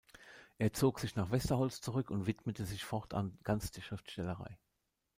Er zog sich nach Westerholz zurück und widmete sich fortan ganz der Schriftstellerei.